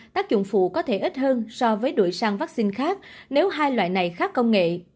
tác dụng phụ có thể ít hơn so với đuổi sang vaccine khác nếu hai loại này khác công nghệ